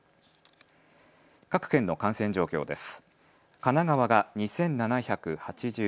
各県の感染状況です。